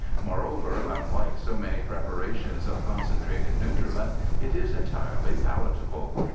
Moreover, unlike so many prepa rations of concentrated nutriment, it is entirely palatable.